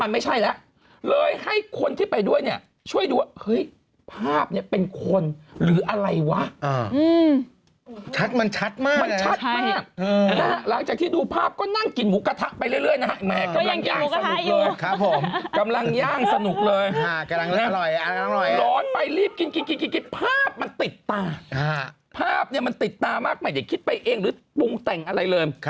มีคนมาด้วยพอนางยืนยันว่าอย่างนั้นรู้ไหม